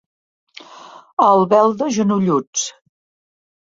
A Albelda, genolluts.